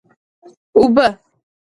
اوبه!